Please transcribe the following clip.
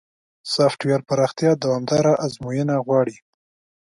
سافټویر پراختیا دوامداره ازموینه غواړي.